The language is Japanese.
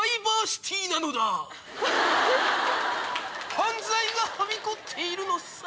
⁉犯罪がはびこっているのさ。